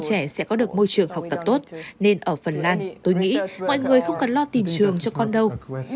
chúng tôi tin rằng bọn trẻ sẽ có được môi trường học tập tốt nên ở phần lan tôi nghĩ mọi người không cần lo tìm trường cho con đâu